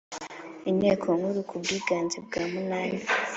Inteko Nkuru ku bwiganze bwa munani